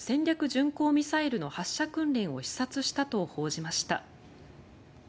巡航ミサイルの発射訓練を視察したと報じました。